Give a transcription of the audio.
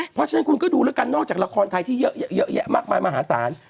เพราะฉะนั้นคุณก็ดูแล้วกันนอกจากละครไทยที่เยอะแยะมากมายมหาศาล